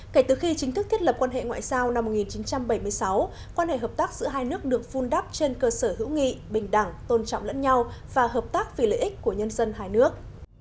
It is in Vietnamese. kể từ khi chính thức thiết lập quan hệ ngoại giao năm một nghìn chín trăm bảy mươi sáu quan hệ hợp tác giữa hai nước được vun đắp trên cơ sở hữu nghị bình đẳng tôn trọng lẫn nhau và hợp tác vì lợi ích của nhân dân hai nước